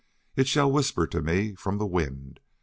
It shall whisper to me from the wind.